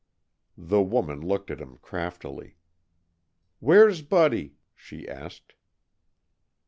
The woman looked at him craftily. "Where's Buddy?" she asked.